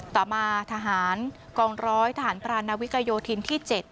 ต่อมาทหารกองร้อยทหารพรานวิกโยธินที่๗